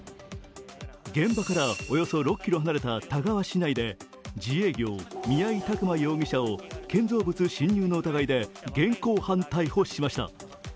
現場からおよそ６ｋｍ離れた田川市内で自営業・宮井拓真容疑者を建造物侵入の疑いで現行犯逮捕しました。